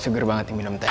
suger banget nih minum teh